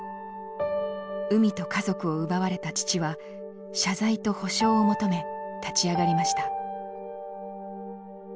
海と家族を奪われた父は謝罪と補償を求め立ち上がりました。